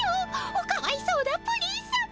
おかわいそうなプリンさま。